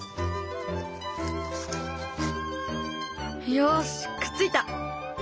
よしくっついた！